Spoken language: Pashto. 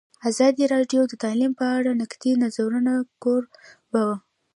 ازادي راډیو د تعلیم په اړه د نقدي نظرونو کوربه وه.